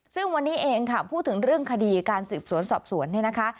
ซึ่งวันนี้เองค่ะพูดถึงเรื่องคดีการสืบสวนสอบสวนเนี่ยนะคะ